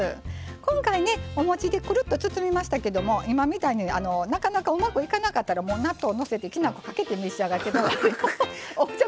今回、おもちでくるっと包みましたけど今みたいに、なかなかうまくいかなかったら納豆をのせて、きな粉をかけていただいていただくと。